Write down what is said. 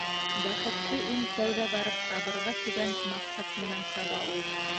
Бәхетте иң тәүҙә барып табырға тигән маҡсат менән саба ул.